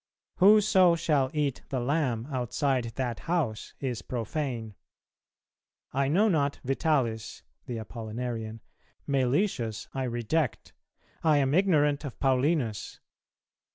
Whoso shall eat the Lamb outside that House is profane .... I know not Vitalis" (the Apollinarian), "Meletius I reject, I am ignorant of Paulinus.